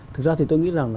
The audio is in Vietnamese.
thực ra thì tôi nghĩ rằng là